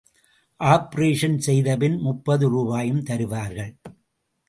Operation செய்தபின் முப்பது ரூபாயும் தருவார்கள்.